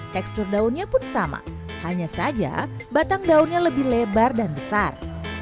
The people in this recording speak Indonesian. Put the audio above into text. tekstur daunnya pun sama hanya saja batang daunnya lebih lebar dan besar